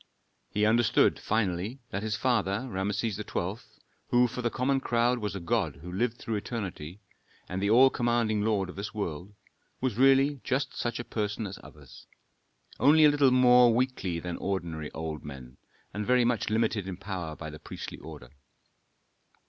He understood, finally, that his father, Rameses XII., who for the common crowd was a god who lived through eternity, and the all commanding lord of this world, was really just such a person as others, only a little more weakly than ordinary old men, and very much limited in power by the priestly order.